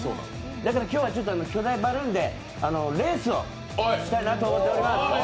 だから巨大バルーンでレースをしたいなと思っております。